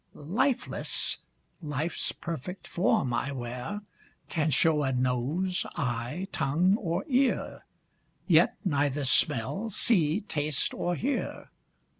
Lifeless, life's perfect form I wear, Can show a nose, eye, tongue, or ear, Yet neither smell, see, taste, or hear.